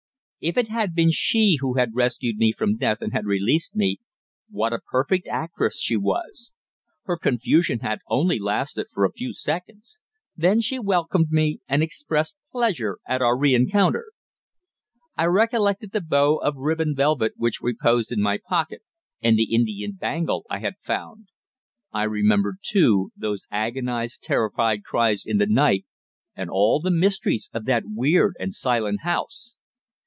If it had been she who had rescued me from death and had released me, what a perfect actress she was. Her confusion had only lasted for a few seconds. Then she had welcomed me, and expressed pleasure at our re encounter. I recollected the bow of ribbon velvet which reposed in my pocket, and the Indian bangle I had found. I remembered, too, those agonized, terrified cries in the night and all the mysteries of that weird and silent house!